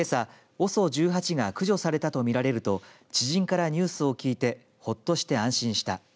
ＯＳＯ１８が駆除されたと見られると知人からニュースを聞いてほっとして安心した。